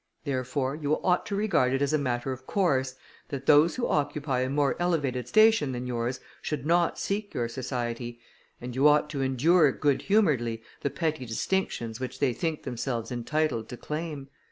Therefore, you ought to regard it as a matter of course, that those who occupy a more elevated station than yours, should not seek your society; and you ought to endure good humouredly the petty distinctions which they think themselves entitled to claim.